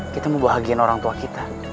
kita mau bahagia orang tua kita